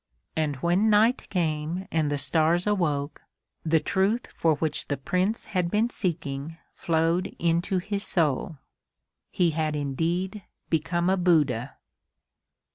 And when night came and the stars awoke, the truth for which the Prince had been seeking flowed into his soul. He had indeed become a Buddha.